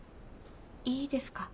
いいですか？